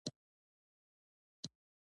صادقانه تعلیمي موسسه منځته راتلای نه شوای.